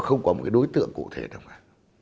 nó không có một cái đối tượng cụ thể đâu mà